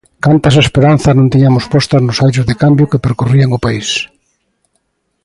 Cantas esperanzas non tiñamos postas nos aires de cambio que percorrían o país!